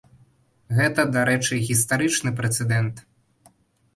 Гэта, дарэчы, гістарычны прэцэдэнт.